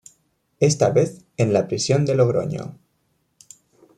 Esta vez en la prisión de Logroño.